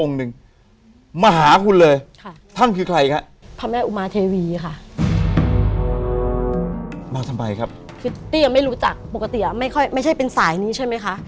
คือตียังไม่รู้จักปกติไม่ใช่เป็นสายนี้ใช่ไหมคะ